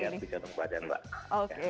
ya sampai air di jantung badan pak